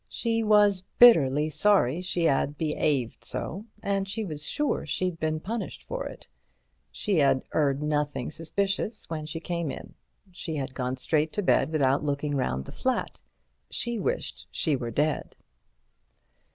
She was bitterly sorry she 'ad be'aved so, and she was sure she'd been punished for it. She had 'eard nothing suspicious when she came in. She had gone straight to bed without looking round the flat. She wished she were dead.